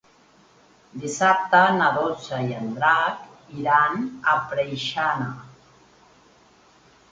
Dissabte na Dolça i en Drac iran a Preixana.